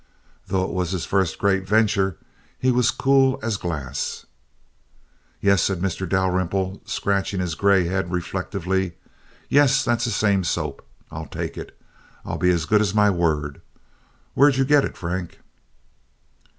Though it was his first great venture, he was cool as glass. "Yes," said Mr. Dalrymple, scratching his gray head reflectively. "Yes, that's the same soap. I'll take it. I'll be as good as my word. Where'd you get it, Frank?"